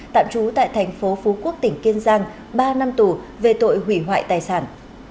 tạm trú tại thành phố phú quốc tỉnh kiên giang ba năm tù về tội hủy hoại tài sản